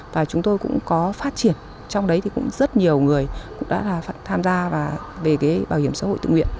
và chúng tôi cũng có phát triển trong đấy thì cũng rất nhiều người cũng đã là tham gia về cái bảo hiểm xã hội tự nguyện